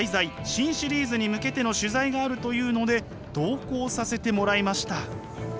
新シリーズに向けての取材があるというので同行させてもらいました。